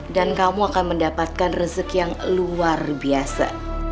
dan kamu akan mendapatkan rezeki yang luar biasa